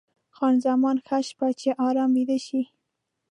خان زمان: ښه شپه، چې ارام ویده شې.